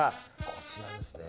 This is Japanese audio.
こちらですね。